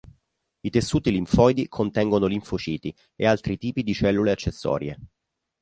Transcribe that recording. I tessuti linfoidi contengono linfociti, e altri tipi di cellule accessorie.